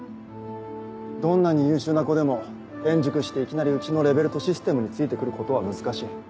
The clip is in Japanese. どんなに優秀な子でも転塾していきなりうちのレベルとシステムについて来ることは難しい。